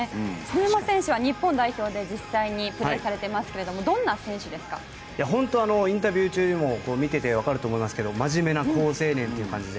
篠山選手は日本代表で実際にプレーされていますけども本当にインタビューを見てて分かると思いますけど真面目な好青年という感じで。